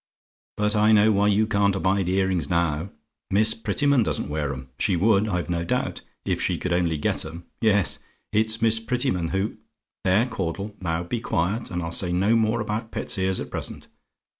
But I know why you can't abide earrings now: Miss Prettyman doesn't wear 'em; she would I've no doubt if she could only get 'em. Yes, it's Miss Prettyman who "There, Caudle, now be quiet, and I'll say no more about pet's ears at present.